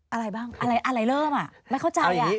อะไรบ้างอะไรเริ่มอ่ะไม่เข้าใจ